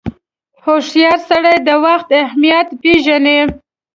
• هوښیار سړی د وخت اهمیت پیژني.